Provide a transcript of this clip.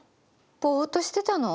ぼっとしてたの？